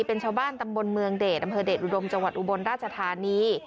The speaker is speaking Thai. เป็นชาวบ้านตำบลเมืองเดชอำเภอเดชอุดมจังหวัดอุบลราชธานี